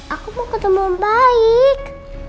aku mau ketemu yang baik